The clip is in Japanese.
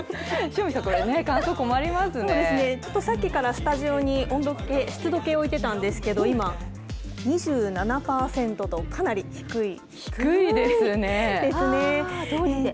塩見さん、さっきからスタジオに温度計、湿度計を置いてたんですけど、今、２７％と、かなり低い。